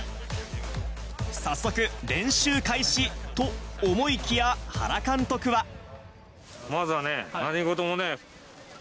早速、練習開始と思いきや、原監督は。